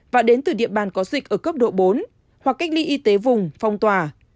và đến từ địa bàn có dịch ở cấp độ bốn hoặc cách ly y tế vùng phòng tòa